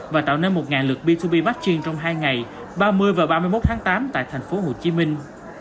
và tạo nên một lượt b hai b matching trong hai ngày ba mươi và ba mươi một tháng tám tại thành phố hồ chí minh